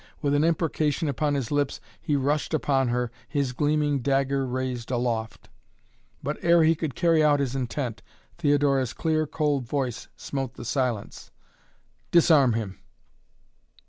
With an imprecation upon his lips he rushed upon her, his gleaming dagger raised aloft. But ere he could carry out his intent, Theodora's clear, cold voice smote the silence. "Disarm him!"